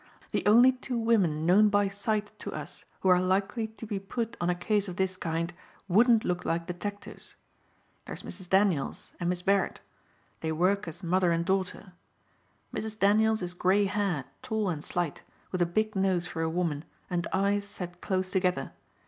The only two women known by sight to us who are likely to be put on a case of this kind wouldn't look like detectives. There's Mrs. Daniels and Miss Barrett. They work as mother and daughter. Mrs. Daniels is gray haired, tall and slight, with a big nose for a woman and eyes set close together.